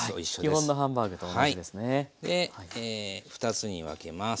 で２つに分けます。